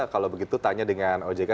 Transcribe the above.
kalau begitu tanya dengan ojk